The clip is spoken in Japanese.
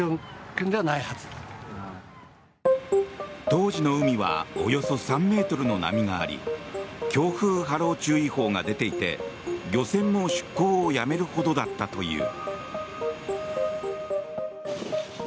当時の海はおよそ３ｍの波があり強風・波浪注意報が出ていて漁船も出航をやめるほどだったという。